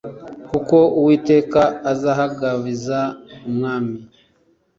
kuko Uwiteka azahagabiza umwami”